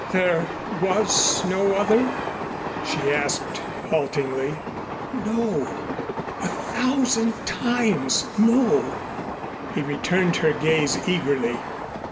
"There was no other?" she asked haltingly. "No a thousand times no," he returned her gaze eagerly.